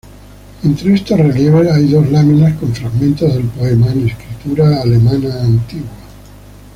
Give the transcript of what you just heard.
Entre estos relieves hay dos láminas con fragmentos del poema en escritura alemana antigua.